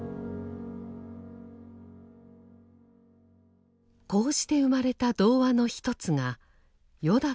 こうして生まれた童話の一つが「よだかの星」。